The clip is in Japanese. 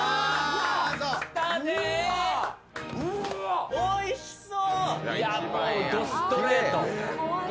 おいしそう！